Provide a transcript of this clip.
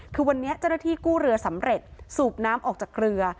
คือวันนี้เจ้าหน้าที่กู้เรือสำเร็จสูบน้ำออกจากเรือ